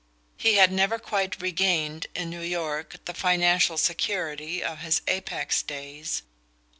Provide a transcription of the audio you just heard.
He had never quite regained, in New York, the financial security of his Apex days.